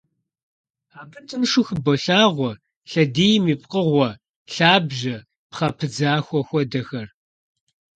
Абы тыншу хыболъагъуэ лъэдийм и пкъыгъуэ, лъабжьэ, пхъэ пыдзахуэ хуэдэхэр.